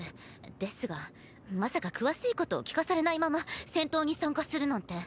ですがまさか詳しいことを聞かされないまま戦闘に参加するなんて。